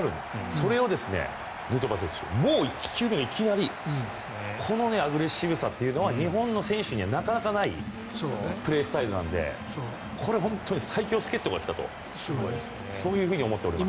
それをヌートバー選手はもう１球目、いきなり。このアグレッシブさは日本の選手にはなかなかないプレースタイルなのでこれ、本当に最強助っ人が来たとそういうふうに思っております。